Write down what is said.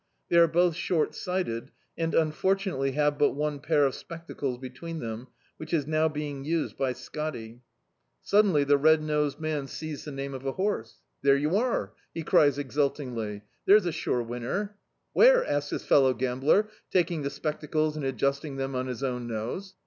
They are both short sighted, and, unfortunately, have but one pair of spectacles between them, which is now being used by "Scotty." Suddenly the red nosed man sees the D,i.,.db, Google The Farmhouse name of a horse. "There you are," he cries exult ingly; "there's a sure winner." "Where?" asks his fellow gambler, taking the spectacles and adjusting them on his own nose.